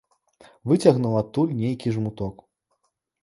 Выцягнуў адтуль нейкі жмуток.